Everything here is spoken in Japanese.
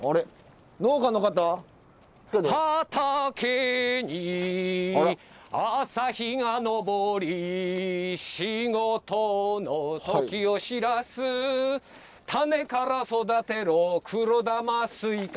「畑に朝日が昇り」「仕事の時を知らす」「種から育てろ黒玉すいか」